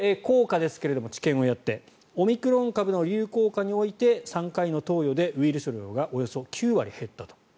治験をやっての効果ですがオミクロン株の流行下において３回の投与でウイルス量がおよそ９割減ったと。